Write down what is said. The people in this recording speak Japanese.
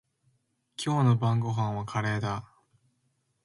今日の晩ごはんはカレーだ。